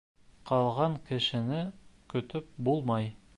Ҡалған кешене көтөп булмай.